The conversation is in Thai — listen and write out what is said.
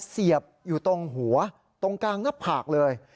เสียบอยู่ตรงหัวตรงกลางหน้าผากเลย